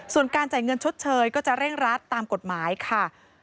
ส่วนการจ่ายเงินชดเชยก็จะเร่งรัดตามกฎหมายค่ะ